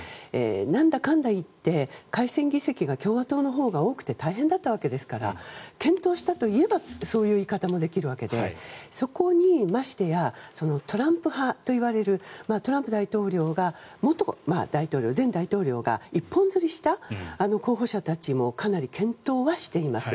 なんだかんだいって改選議席が共和党のほうが多くて大変だったわけですから健闘したと言えばそういう言い方もできるわけでそこにましてやトランプ派といわれるトランプ元大統領が一本釣りした候補者たちもかなり健闘はしています。